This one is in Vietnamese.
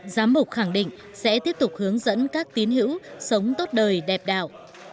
giám mục khẳng định sẽ tiếp tục hướng dẫn các tín hữu sống tốt đời đẹp đạo